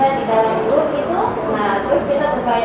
facebook menjadi kanal ika untuk menyebarkan paham ekstrim